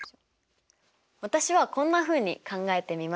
私はこんなふうに考えてみました。